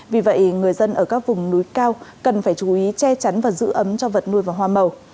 vì vậy người dân ở các vùng núi cao cần phải chú ý che chắn và giữ ấm cho vật nuôi và hoa màu